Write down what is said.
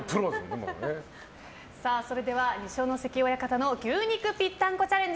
それでは二所ノ関親方の牛肉ぴったんこチャレンジ